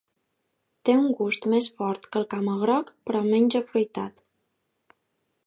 Té un gust més fort que el camagroc però menys afruitat.